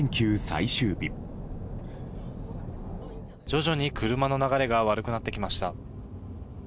徐々に車の流れが悪くなってきました。